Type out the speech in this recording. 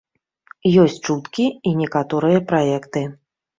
Ёсць чуткі і некаторыя праекты.